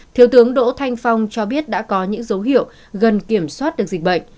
thiếu tướng đỗ thanh phong cho biết đã có những dấu hiệu gần kiểm soát được dịch bệnh